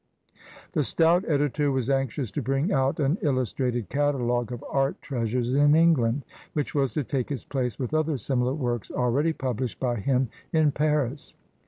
The stout editor was anxious to bring out an illustrated catalogue of art treasures in England, which was to take its place with other similar works already published by him in Paris.